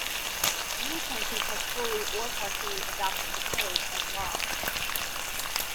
Many countries have fully or partially adopted the Code as law.